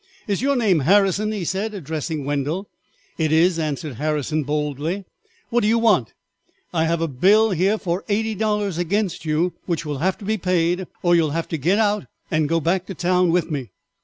"Is your name Harrison?" he said, addressing Wendell. "It is," answered Harrison boldly; "what do you want?" "I have a bill here for eighty dollars against you, which will have to be paid or you will have to get out and go back to town with me."